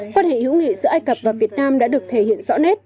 quan hệ hữu nghị giữa ai cập và việt nam đã được thể hiện rõ nét